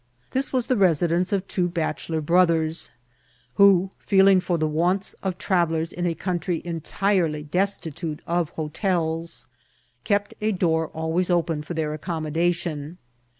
This was the resi dence of two bachelor brothers, who, feeling for the wants of travellers in a country entirely destitute of ho tels, kept a door always open for their aooommodation.